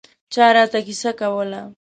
چا راته کیسه کوله.